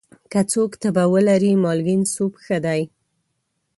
که څوک تبه ولري، مالګین سوپ ښه دی.